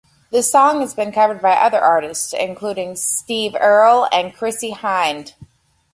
The song has been covered by other artists, including Steve Earle and Chrissie Hynde.